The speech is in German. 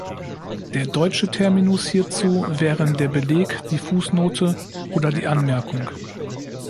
Der deutsche Terminus hierzu wären der Beleg, die Fußnote oder die Anmerkung.